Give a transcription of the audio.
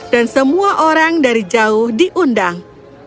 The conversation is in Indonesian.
dan semua orang dari jauh diundang